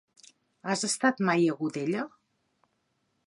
Has estat mai a Godella?